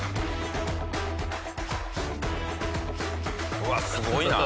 うわすごいな！